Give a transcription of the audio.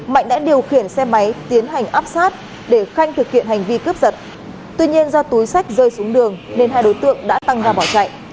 mạnh đã điều khiển xe máy tiến hành áp sát để khanh thực hiện hành vi cướp giật tuy nhiên do túi sách rơi xuống đường nên hai đối tượng đã tăng ra bỏ chạy